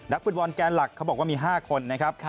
ฟุตบอลแกนหลักเขาบอกว่ามี๕คนนะครับ